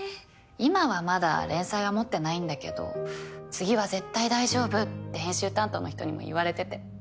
今はまだ連載は持ってないんだけど次は絶対大丈夫って編集担当の人にも言われてて。